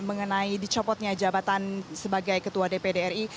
mengenai dicopotnya jabatan sebagai ketua dpdri